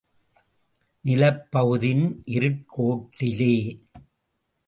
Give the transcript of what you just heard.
நிலப் பகுதியின் இருட் கோட்டிலே.